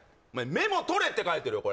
メモ取れって書いてるよ